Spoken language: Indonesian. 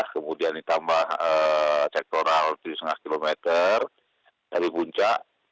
kemudian ditambah sektoral di setengah kilometer dari puncak